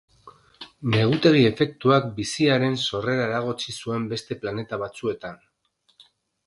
Negutegi efektuak biziaren sorrera eragotzi zuen beste planeta batzuetan.